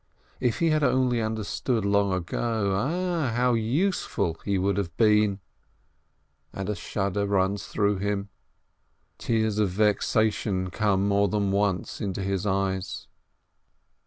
If he had only understood long ago, ah, how useful he would have been ! And a shudder runs through him. Tears of vexation come more than once into his eyes.